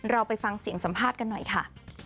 เราไปฟังเสียงสัมภาษณ์กันหน่อยค่ะ